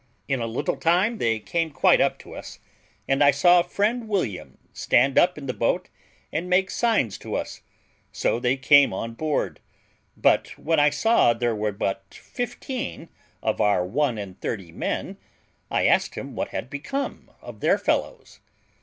In a little time they came quite up to us; and I saw friend William stand up in the boat and make signs to us; so they came on board; but when I saw there were but fifteen of our one and thirty men, I asked him what had become of their fellows.